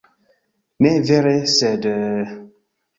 Ne vere, sed...